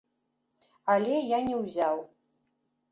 Але я не ўзяў.